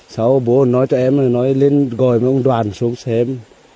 sau bố nói cho em nói lên gọi một đoàn xuống xem